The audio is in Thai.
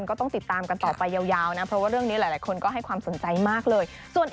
ก็ต้องติดตามกันต่อไปยาวนะเพราะว่าเรื่องนี้หลายคนก็ให้ความสนใจมากเลย